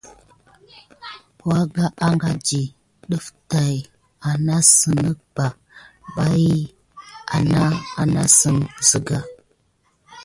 Wangà ankadi ɗef tät anasine ɓa abyik anane anasine siga.